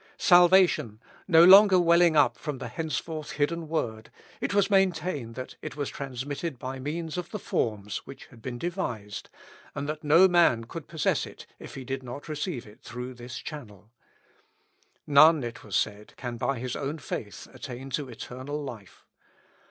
Salvation, no longer welling up from the henceforth hidden Word, it was maintained that it was transmitted by means of the forms which had been devised, and that no man could possess it if he did not receive it through this channel. None, it was said, can, by his own faith, attain to eternal life.